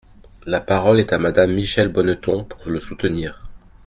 La parole est à Madame Michèle Bonneton, pour le soutenir.